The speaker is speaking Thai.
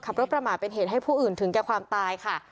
ประมาทเป็นเหตุให้ผู้อื่นถึงแก่ความตายค่ะ